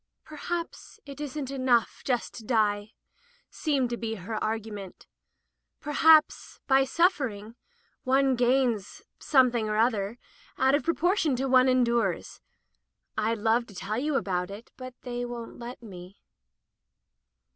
"Perhaps it isn't enough just to die," seemed to be her argument. "Perhaps, by suffering, one gains — something or other — out of proportion to what one endures. Fd love to tell you about it, but they won't let me.